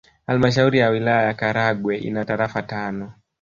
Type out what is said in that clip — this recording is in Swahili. Halmashauri ya Wilaya ya Karagwe ina tarafa tano